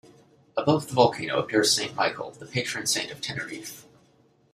Above the volcano appears Saint Michael, the patron saint of Tenerife.